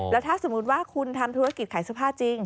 แล้วถ้าสมมุติว่าคุณทำธุรกิจขายเสื้อผ้าจริง